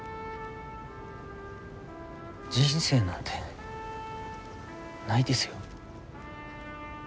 人生なんてないですよ。